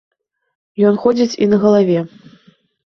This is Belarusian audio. Ён ходзіць і на галаве.